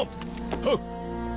はっ！